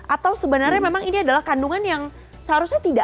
atau sebenarnya memang ini adalah kandungan yang seharusnya tidak